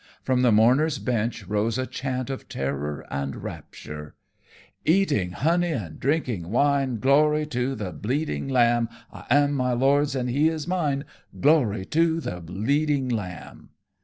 From the mourners' bench rose a chant of terror and rapture: "Eating honey and drinking wine, Glory to the bleeding Lamb! I am my Lord's and he is mine, _Glory to the bleeding Lamb!